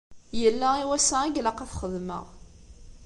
Yella i wassa i ilaq ad t-xedmeɣ.